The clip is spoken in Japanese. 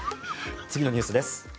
次のニュースです。